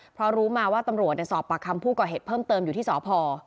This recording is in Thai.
เพราะรู้มาว่าตำรวจสอบปากคำผู้ก่อเหตุเพิ่มเติมอยู่ที่สพ